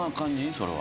それは。